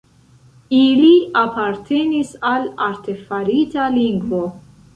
Ili apartenis al artefarita lingvo.